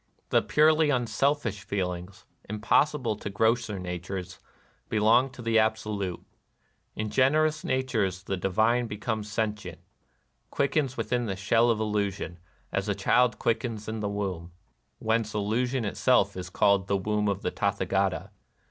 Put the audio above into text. The purely unselfish feelings, im possible to grosser natures, belong to the Absolute. In generous natures the divine be comes sentient, — quickens within the shell of illusion, as a child quickens in the womb (whence illusion itself is called The "Womb of the Tathagata).